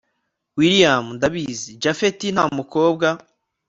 william ndabizi japhet ntamukobwa